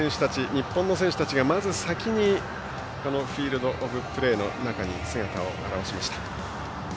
日本の選手たちが先にフィールドオブプレーの中に姿を現しました。